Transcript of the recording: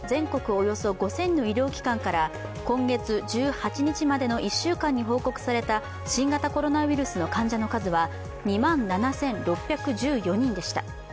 およそ５０００の医療機関から今月１８日までの１週間に報告された新型コロナウイルスの患者の数は２万７６１４人でした。